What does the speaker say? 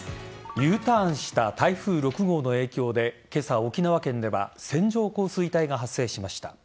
Ｕターンした台風６号の影響で今朝、沖縄県では線状降水帯が発生しました。